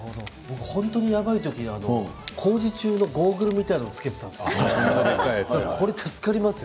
本当やばい時は工事中のゴーグルみたいなものを着けていたんですよ